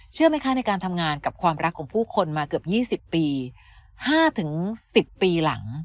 เชื่อไหมคะในการทำงานกับความรักของผู้คนมาเกือบ๒๐ปี๕๑๐ปีหลัง